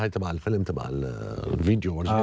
คุณอีจิปต์วันนี้ไม่มีพัสพอร์ตคับประเทศไม่ได้